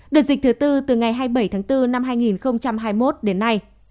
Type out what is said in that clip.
đợt dịch thứ tư từ ngày hai mươi bảy tháng bốn năm hai nghìn hai mươi một đến nay